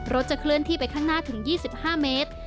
จะเคลื่อนที่ไปข้างหน้าถึง๒๕เมตร